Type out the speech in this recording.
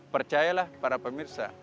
percayalah para pemirsa